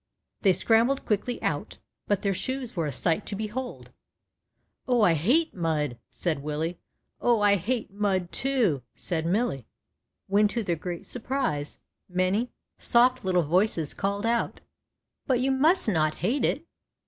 They scrambled quickly out, but their shoes were a sight to behold. '' Oh ! I hate mud,'' said Willie. " Oh ! I hate mud, too," said Millie, when, to their great surprise, many 156 AFTER THE RAIN. 157 soft little voices called out, But you must not hate it.